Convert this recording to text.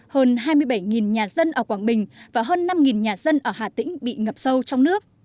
hơn hai mươi bảy nhà dân ở quảng bình và hơn năm nhà dân ở hà tĩnh bị ngập sâu trong nước